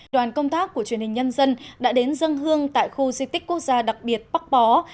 đoàn công tác của truyền hình nhân dân đã đến dân hương tại khu di tích quốc gia đặc biệt bắc bó